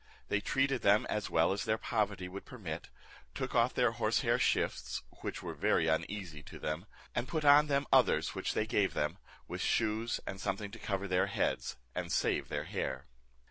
They treated them as well as their poverty would permit, took off their horse hair shifts, which were very uneasy to them, and put on them others which they gave them, with shoes, and something to cover their heads, and save their hair.